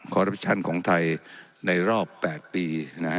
ทรยศของไทยในรอบแปดปี